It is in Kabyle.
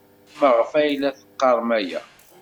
Maɣef ay la teqqarem aya?